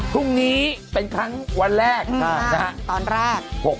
ทุกนี้เป็นครั้งวันแรก